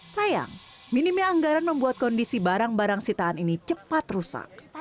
sayang minimnya anggaran membuat kondisi barang barang sitaan ini cepat rusak